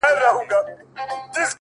د کسمیر لوري د کابل او د ګواه لوري،